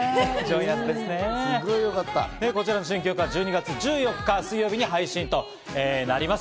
こちらの新曲は１２月１４日水曜日に配信となります。